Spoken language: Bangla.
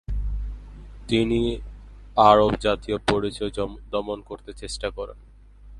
তিনি আরব জাতীয় পরিচয় দমন করতে চেষ্টা করেন।